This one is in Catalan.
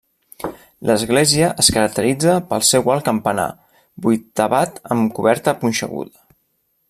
L'església es caracteritza pel seu alt campanar vuitavat amb coberta punxeguda.